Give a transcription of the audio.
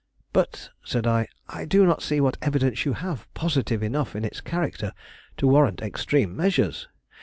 "But," said I, "I do not see what evidence you have, positive enough in its character, to warrant extreme measures.